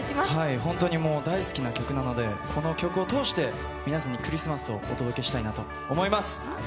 本当に大好きな曲なのでこの曲を通して皆さんにクリスマスをお届けしたいと思います。